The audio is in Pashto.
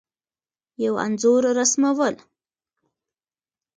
یو انځور رسمول